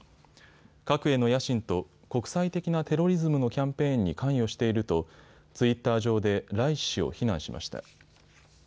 核への野心と国際的なテロリズムのキャンペーンに関与しているとツイッター上でライシ師を非難しました。